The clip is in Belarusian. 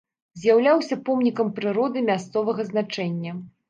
З'яўляўся помнікам прыроды мясцовага значэння.